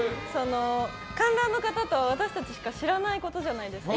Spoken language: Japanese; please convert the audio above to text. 観覧の方と私たちしか知らないことじゃないですか。